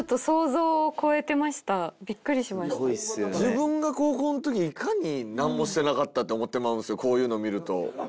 自分が高校のときいかに何もしてなかったって思ってまうんすよこういうの見ると。